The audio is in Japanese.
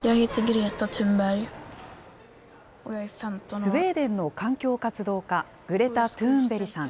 スウェーデンの環境活動家、グレタ・トゥーンベリさん。